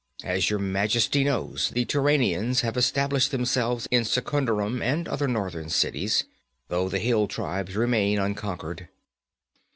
As your majesty knows, the Turanians have established themselves in Secunderam and other northern cities, though the hill tribes remain unconquered.